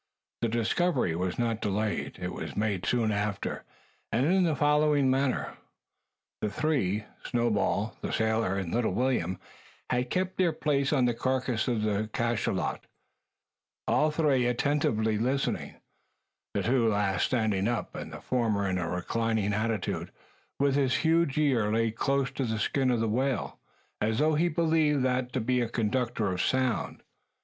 The discovery was not delayed. It was made soon after, and in the following manner: The three Snowball, the sailor, and little William had kept their place on the carcass of the cachalot, all three attentively listening, the two last standing up, and the former in a reclining attitude, with his huge ear laid close to the skin of the whale, as though he believed that to be a conductor of sound.